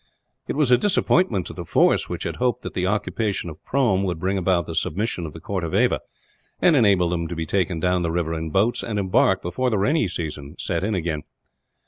It was a disappointment to the force, which had hoped that the occupation of Prome would bring about the submission of the court of Ava; and enable them to be taken down the river in boats, and embark, before the rainy season again set in.